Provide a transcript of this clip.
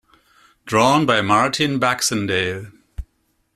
Drawn by Martin Baxendale.